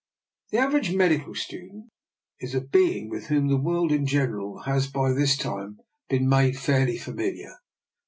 The average medical student is a being with whom the world in general has by this time been made fairly familiar.